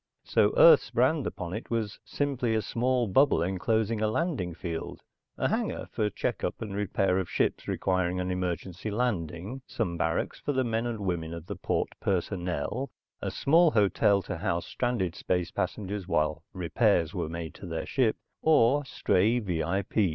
So Earth's brand upon it was simply a small bubble enclosing a landing field, a hangar for checkup and repair of ships requiring an emergency landing, some barracks for the men and women of the port personnel, a small hotel to house stranded space passengers while repairs were made to their ship, or stray V.I.